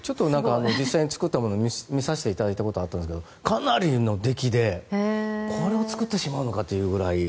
実際に作ったものを見させていただいたことがあるんですがかなりの出来で、これを作ってしまうのかというくらい。